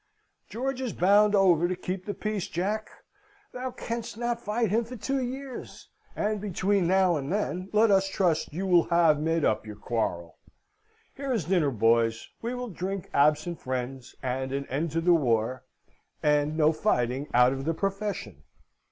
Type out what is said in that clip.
"George is bound over to keep the peace, Jack! Thou canst not fight him for two years; and between now and then, let us trust you will have made up your quarrel. Here is dinner, boys! We will drink absent friends, and an end to the war, and no fighting out of the profession!"